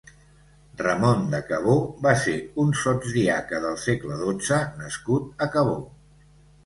Ramon de Cabó va ser un sotsdiaca del segle dotze nascut a Cabó.